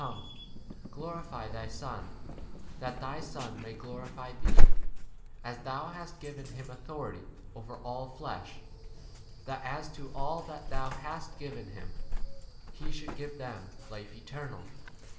JOHN XVII. 2 Son a may glorify thee; as thou hast given hini authority 1 * over all flesh, that [as to] all that thou hast given to him, he should give 3 them life eternal.